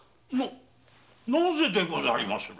なぜでございます！？